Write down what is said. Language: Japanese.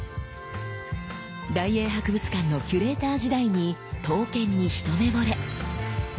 大英博物館のキュレーター時代に刀剣に一目ぼれ。